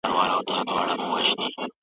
چې دغې نړۍ کې نوم او هغې کې نِعَم غواړي